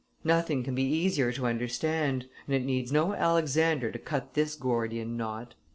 Nothing can be easier to understand, and it needs no Alexander to cut this Gordian knot.